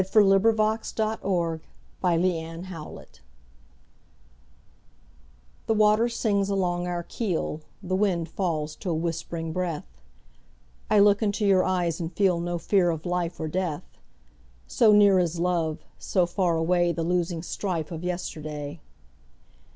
By SophieJewett 1502 Armistice THE WATER sings along our keel, The wind falls to a whispering breath;I look into your eyes and feelNo fear of life or death; So near is love, so far awayThe losing strife of yesterday.